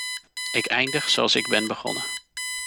Ik eindig zoals ik ben begonnen.